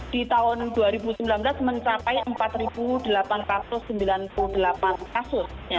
di tahun dua ribu sembilan belas mencapai empat delapan ratus sembilan puluh delapan kasus